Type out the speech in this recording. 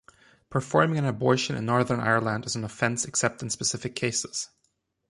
Performing an abortion in Northern Ireland is an offence except in specific cases.